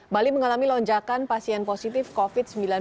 bali mengalami lonjakan pasien positif covid sembilan belas